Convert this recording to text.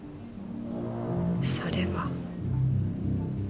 それは。